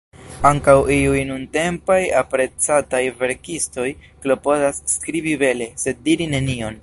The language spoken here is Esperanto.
Ankaŭ iuj nuntempaj, aprecataj verkistoj klopodas skribi bele, sed diri nenion.